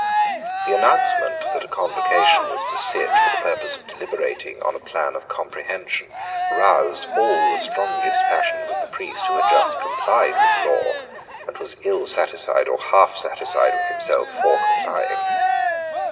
The announcement that a Convocation was to sit for the purpose of deliberating on a plan of comprehension roused all the strongest passions of the priest who had just complied with the law, and was ill satisfied or half satisfied with himself for complying.